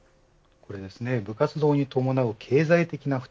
部活動に伴う経済的な負担